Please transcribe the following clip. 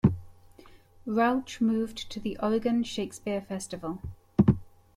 Rauch moved to the Oregon Shakespeare Festival.